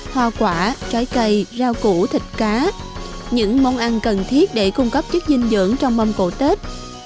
hoa quả trái cây rau củ thịt cá những món ăn cần thiết để cung cấp chất dinh dưỡng trong mâm cổ tết